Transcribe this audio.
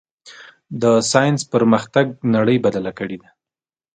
د ساینس پرمختګ نړۍ بدله کړې ده.